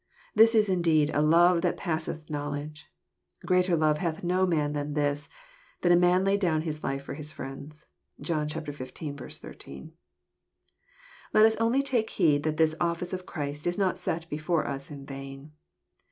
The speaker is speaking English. This is indeed a love that passeth knowl edge I '^ Greater love hath no man than this, that a man lay down his life for his friends." (John xv. 13.) Let us only take heed that this office of Christ is not set before us in vain.